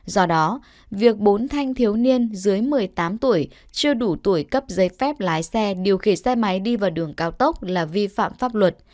do đó việc bốn thanh thiếu niên dưới một mươi tám tuổi chưa đủ tuổi cấp giấy phép lái xe điều khiển xe máy đi vào đường cao tốc là vi phạm pháp luật